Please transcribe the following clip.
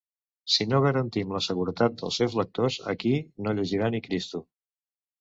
Si no garantim la seguretat dels seus lectors, aquí no llegirà ni Cristo.